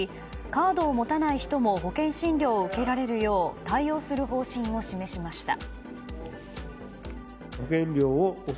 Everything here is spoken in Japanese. カードを持たない人も保健診療を受けられるよう対応する方針を示しました。